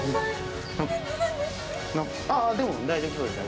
でも大丈夫そうですね。